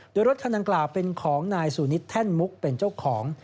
โดยรถคันดังกล่าวเป็นของนายสูนิทแท่นมุกเป็นเจ้าของ